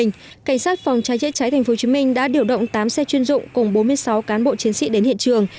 cảnh sát phòng cháy chữa cháy tp hcm đã điều động tám xe chuyên dụng cùng bốn mươi sáu cán bộ chiến sĩ đến hiện trường